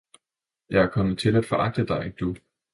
Jeg er kommet til at foragte Dig, Du!